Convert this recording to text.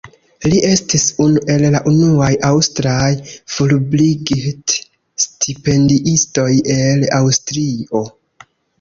Li estis unu el la unuaj aŭstraj Fulbright-stipendiistoj el Aŭstrio.